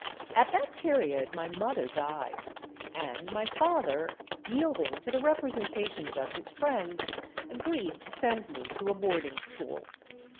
"At that period my mother died; and my father, yielding to the representations of his friends, agreed to send me to a boarding school.